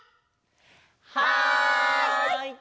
はい！